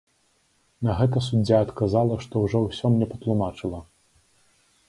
На гэта суддзя адказала, што ўжо ўсё мне патлумачыла.